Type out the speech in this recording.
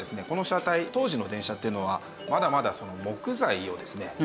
この車体当時の電車っていうのはまだまだ木材をですね